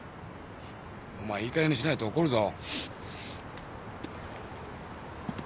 お前いいかげんにしないと怒るぞ。